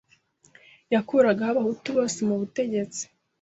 yakuragaho abahutu bose m ubutegetsi